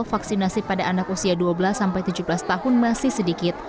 vaksinasi pada anak usia dua belas tujuh belas tahun masih sedikit